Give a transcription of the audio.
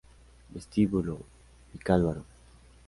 Vestíbulo Vicálvaro